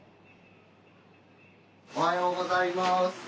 おはようございます。